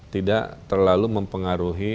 tidak terlalu mempengaruhi